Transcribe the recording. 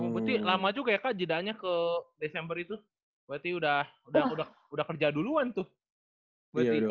berarti lama juga ya kak jedanya ke desember itu berarti udah kerja duluan tuh